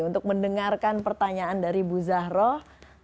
untuk mendengarkan pertanyaan dari bu zahroh